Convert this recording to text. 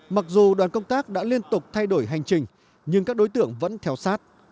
mặc dù đoàn công tác đã liên tục thay đổi hành trình nhưng các đối tượng vẫn theo sát